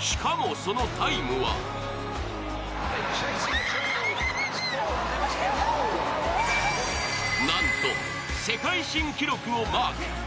しかもそのタイムはなんと世界新記録をマーク。